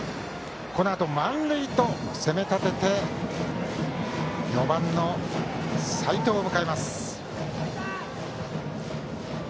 このあと満塁と攻め立てて４番の齋藤を迎えます。